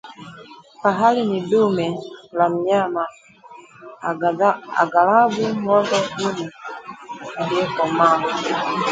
Fahali ni ndume la mnyama; aghalabu ng’ombe ndume aliyekomaa